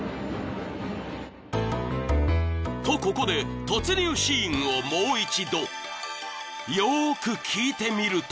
［とここで突入シーンをもう一度よく聞いてみると］